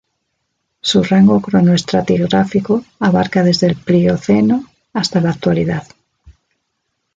Su rango cronoestratigráfico abarca desde el Plioceno hasta la Actualidad.